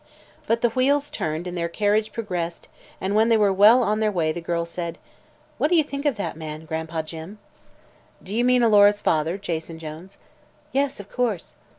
But the wheels turned and the carriage progressed and when they were well on their way the girl said: "What do you think of that man, Gran'pa Jim?" "Do you mean Alora's father, Jason Jones?" "Yes, of course."